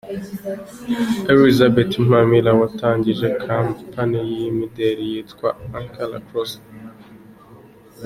Elizabeth Mpamira watangije kampani y'imideri yitwa "Ankara Closet".